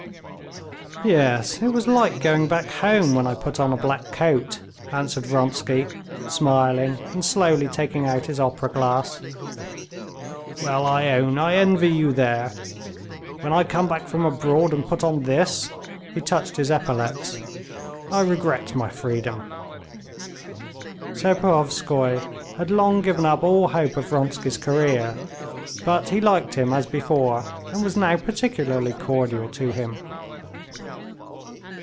"Yes, it was like going back home when I put on a black coat," answered Vronsky, smiling and slowly taking out his opera glass. "Well, I'll own I envy you there. When I come back from abroad and put on this," he touched his epaulets, "I regret my freedom." Serpuhovskoy had long given up all hope of Vronsky's career, but he liked him as before, and was now particularly cordial to him.